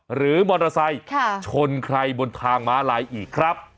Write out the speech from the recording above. หรือมอเตอร์ไซค์ชนใครบนทางม้าลายอีกครับ